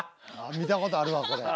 見たことあるわこれ。